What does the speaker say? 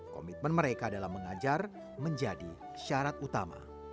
komitmen mereka dalam mengajar menjadi syarat utama